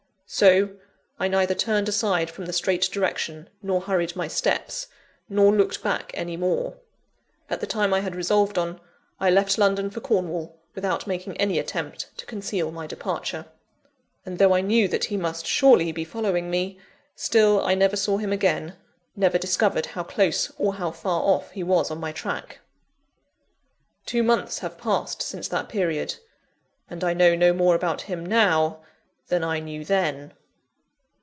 So, I neither turned aside from the straight direction, nor hurried my steps, nor looked back any more. At the time I had resolved on, I left London for Cornwall, without making any attempt to conceal my departure. And though I knew that he must surely be following me, still I never saw him again: never discovered how close or how far off he was on my track. Two months have passed since that period; and I know no more about him now than I knew _then.